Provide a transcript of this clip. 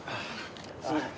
すみません。